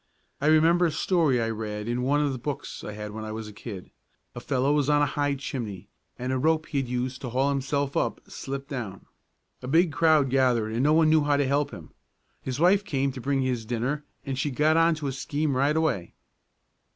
"I remember a story I read in one of the books I had when I was a kid. A fellow was on a high chimney, and a rope he had used to haul himself up slipped down. A big crowd gathered and no one knew how to help him. His wife came to bring his dinner and she got onto a scheme right away.